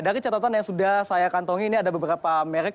dari catatan yang sudah saya kantongi ini ada beberapa merek